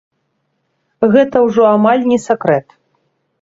Гэта ўжо амаль не сакрэт.